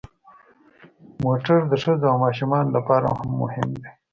موټر د ښځو او ماشومانو لپاره هم مهم دی.